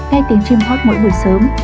nghe tiếng chim hót mỗi buổi sớm